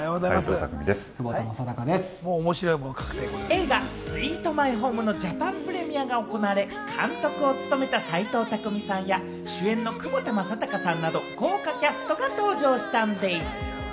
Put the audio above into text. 映画『スイート・マイホーム』のジャパンプレミアが行われ、監督を務めた齊藤工さんや、主演の窪田正孝さんなど豪華キャストが登場したんでぃす。